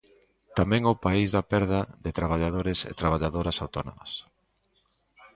Tamén o país da perda de traballadores e traballadoras autónomas.